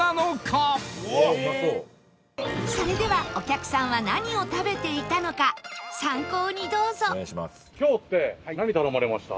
それではお客さんは何を食べていたのか参考にどうぞ